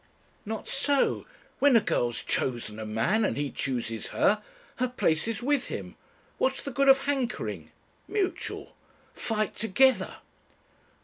"Not so. When a girl's chosen a man, and he chooses her, her place is with him. What is the good of hankering? Mutual. Fight together."